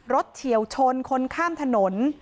เฉียวชนคนข้ามถนน